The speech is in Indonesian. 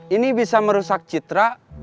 ini bisa merusak citra